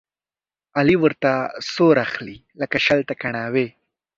علي ورته سور اخلي، لکه شل ته کڼاوې.